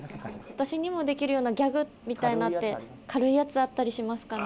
私にもできるようなギャグみたいなのって軽いやつあったりしますかね？